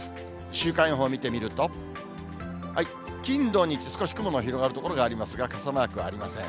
週間予報見てみると、金、土、日、少し雲の広がる所がありますが、傘マークはありません。